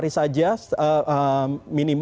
kita sudah bisa melakukan swab